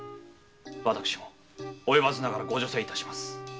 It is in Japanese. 私も及ばずながらご助勢致します